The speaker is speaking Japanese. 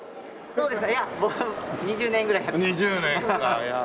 そうです。